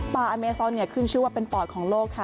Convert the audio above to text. อเมซอนขึ้นชื่อว่าเป็นปอดของโลกค่ะ